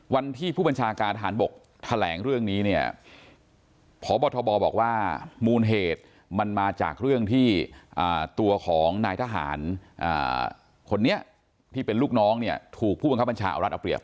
วันที่ผู้บัญชาการทหารบกแถลงเรื่องนี้เนี่ยพบทบบอกว่ามูลเหตุมันมาจากเรื่องที่ตัวของนายทหารคนนี้ที่เป็นลูกน้องเนี่ยถูกผู้บังคับบัญชาเอารัฐเอาเปรียบ